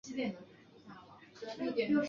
现任安徽省人民政府省长。